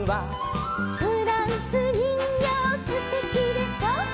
「フランスにんぎょうすてきでしょ」